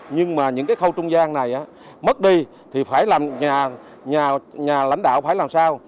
nhưng mà những cái khâu trung gian này mất đi thì phải làm nhà lãnh đạo phải làm sao